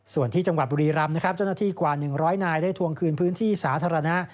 ส่วนที่จังหวัดบุรีรำนะครับเจ้าหน้าที่กว่า๑๐๐นายได้ทวงคืนพื้นที่สาธารณะ